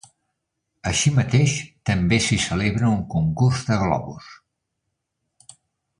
Així mateix, també s'hi celebra un concurs de globus.